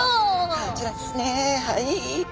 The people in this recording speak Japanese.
こちらですねはい。